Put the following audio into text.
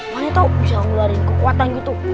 makanya tau bisa ngeluarin kekuatan gitu